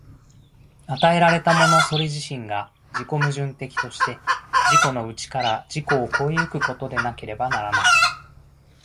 与えられたものそれ自身が自己矛盾的として、自己の内から自己を越え行くことでなければならない。